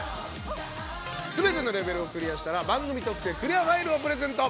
全てのレベルをクリアしたら番組特製クリアファイルをプレゼント！